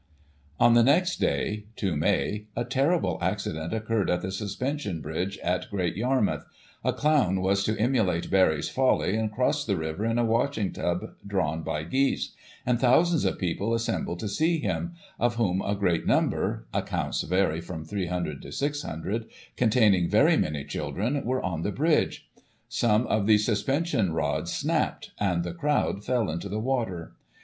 On the next day (2 May) a terrible accident occurred at the Suspension bridge at Great Yarmouth. A clown was to emulate Barry's folly, and cross the river in a washing tub drawn by geese; and thousands of people assembled to see him, of whom a great number (accounts vary from 300 to 600), containing very many children, were on the bridge. Some of the suspension rods snapped, and the crowd fell into the water.